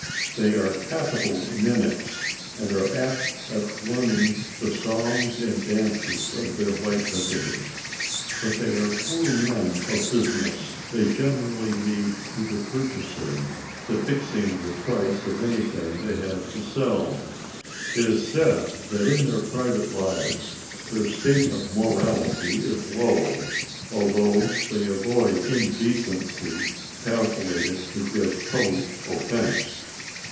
They are capital mimics, and are apt at learning the songs and dances of their white visitors. But they are poor men of business. They generally leave to the purchaser the fixing of the price of anything they have to sell. It is said that in their private lives their state of morality is low, although they avoid indecency calculated to give public offence.